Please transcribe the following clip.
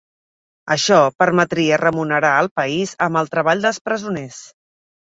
Això permetria remunerar al país amb el treball dels presoners.